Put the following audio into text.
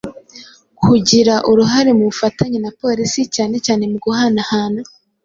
kugira uruhare mu bufatanye na Polisi cyane cyane mu guhanahana